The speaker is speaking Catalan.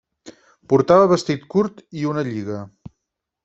Portava vestit curt i una lliga.